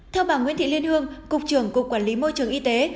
theo bà nguyễn thị liên hương cục trưởng cục quản lý môi trường y tế